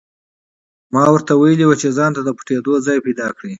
ما ورته ویلي وو چې ځانته د پټېدو ځای پیدا کړي